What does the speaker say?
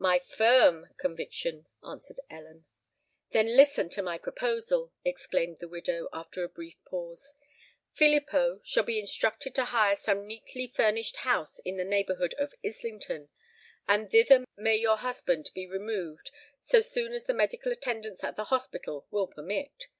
"My firm conviction," answered Ellen. "Then listen to my proposal," exclaimed the widow, after a brief pause. "Filippo shall be instructed to hire some neatly furnished house in the neighbourhood of Islington; and thither may your husband be removed so soon as the medical attendants at the hospital will permit.